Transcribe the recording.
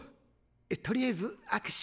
とりあえず握手を。